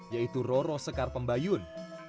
yaitu roro sekar pembayun